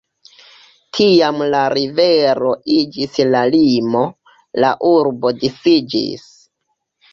Tiam la rivero iĝis la limo, la urbo disiĝis.